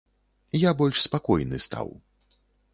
Я больш спакойны стаў.